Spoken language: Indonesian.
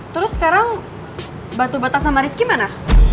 terus sekarang batu batas sama rizky mana